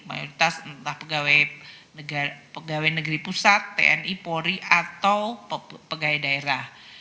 mayoritas entah pegawai negeri pusat tni polri atau pegawai daerah